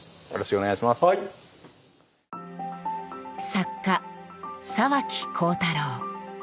作家・沢木耕太郎。